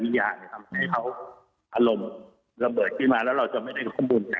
ในหน้าขณะนั้นอันนี้เราคิดก็คือ